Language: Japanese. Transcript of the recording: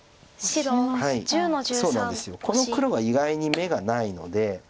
この黒は意外に眼がないので。